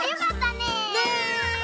ねえ。